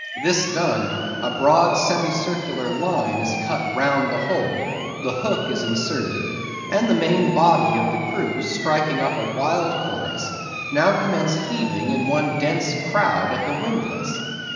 This done, a broad, semicircular line is cut round the hole, the hook is inserted, and the main body of the crew striking up a wild chorus, now commence heaving in one dense crowd at the windlass.